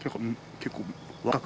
結構。